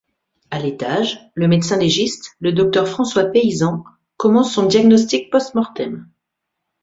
À l'étage, le médecin légiste, le docteur François Paysant, commence son diagnostic post mortem.